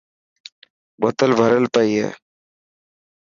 بوتل ڀريل پئي هي.